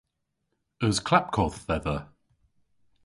Eus klapkodh dhedha?